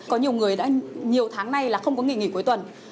có nhiều người đã nhiều tháng nay là không có nghỉ nghỉ cuối tuần